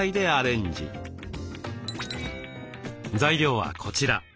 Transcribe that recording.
材料はこちら。